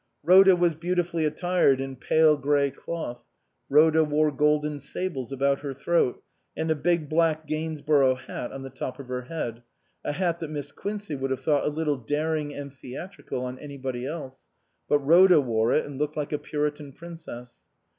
Rhoda was beautifully at tired in pale grey cloth. Rhoda wore golden sables about her throat, and a big black Gainsborough hat on the top of her head, a hat that Miss Quincey would have thought a little daring and theatrical on anybody else ; but Rhoda wore it and looked like a Puritan princess.